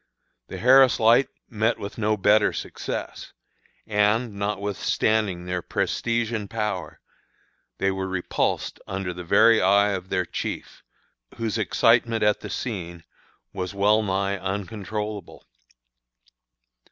The Harris Light met with no better success; and, notwithstanding their prestige and power, they were repulsed under the very eye of their chief, whose excitement at the scene was well nigh uncontrollable.